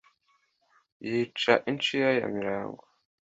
yica inshira ya mirago